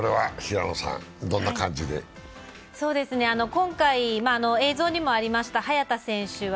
今回、映像にもありました早田選手は